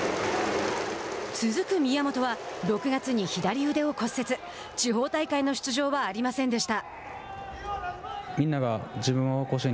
続く宮本は６月に左腕を骨折、地方大会の出場はありませんでした。